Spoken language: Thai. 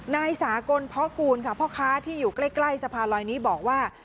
นายสากลเพาะกูลค่ะพ่อค้าที่อยู่ใกล้สะพานลอยนี้บอกว่า